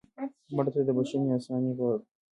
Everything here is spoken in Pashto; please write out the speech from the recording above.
مړه ته د بښنې آساني غواړو